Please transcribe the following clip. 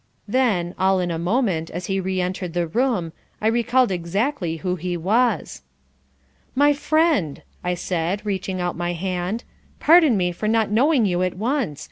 Then, all in a moment, as he re entered the room, I recalled exactly who he was. "My friend," I said, reaching out my hand, "pardon me for not knowing you at once.